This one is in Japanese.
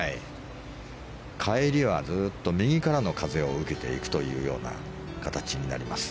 帰りはずっと右からの風を受けていくという形になります。